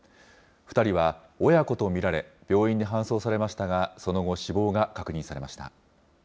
２人は親子と見られ、病院に搬送されましたが、その後、死亡が確認されました。